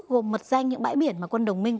gồm mật danh những bãi biển mà quân đồng minh